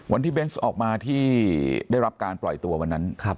วันที่เบนส์ออกมาที่ได้รับการปล่อยตัววันนั้นครับ